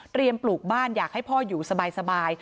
ปลูกบ้านอยากให้พ่ออยู่สบาย